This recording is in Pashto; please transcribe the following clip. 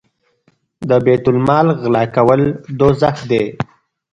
د بیت المال غلا کول دوزخ دی.